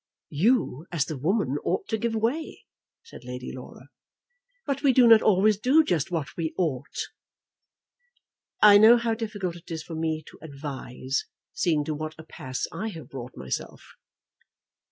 "You, as the woman, ought to give way," said Lady Laura. "But we do not always do just what we ought." "I know how difficult it is for me to advise, seeing to what a pass I have brought myself."